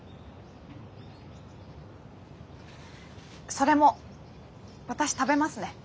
それも私食べますね。